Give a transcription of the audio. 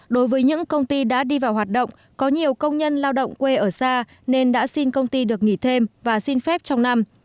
đối với những công ty đã đi vào hoạt động có nhiều công nhân lao động quê ở xa nên đã xin công ty được nghỉ thêm và xin phép trong năm